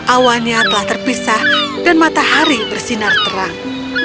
awannya telah terpisah dan matahari bersinar terang